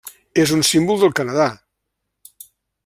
És un símbol del Canadà.